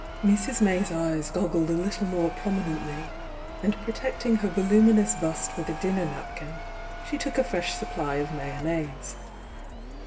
Mrs. May's eyes goggled a little more prominent ly, and protecting her voluminous bust with a din ner napkin, she took a fresh supply of mayonnaise.